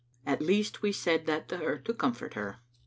At least we said that to her to comfort her.